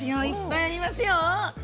いっぱいありますよ。